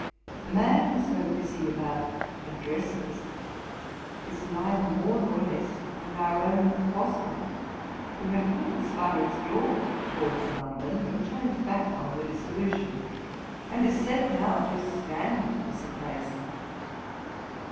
'The man so busy about addresses is neither more nor less than our own Boswell, who had come as far as York towards London, but turned back on the dissolution, and is said now to stand for some place.